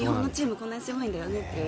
こんなにすごいんだよって。